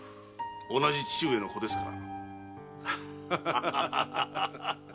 同じ父上の子ですから。